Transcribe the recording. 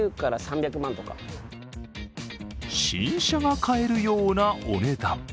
新車が買えるようなお値段。